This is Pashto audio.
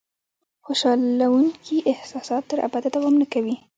خوشالونکي احساسات تر ابده دوام نه کوي.